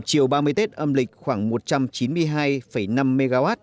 chiều ba mươi tết âm lịch khoảng một trăm chín mươi hai năm mw